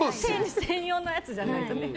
専用のやつじゃないと。